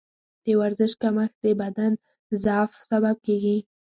د ورزش کمښت د بدن ضعف سبب کېږي.